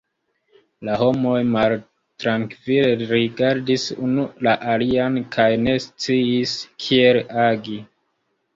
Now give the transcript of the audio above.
La homoj maltrankvile rigardis unu la alian kaj ne sciis kiel agi.